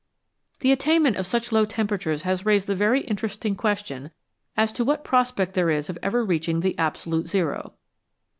The attainment of such low temperatures has raised the very interesting question as to what prospect there is of ever reaching the " absolute zero.